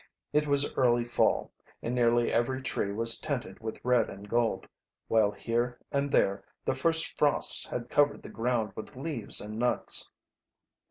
It was early fall, and nearly every tree was tinted with red and gold, while here and there the first frosts had covered the ground with leaves and nuts.